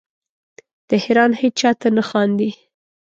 تهران هیچا ته نه خاندې